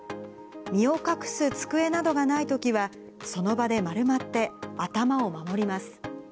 身を隠す机などがないときは、その場で丸まって頭を守ります。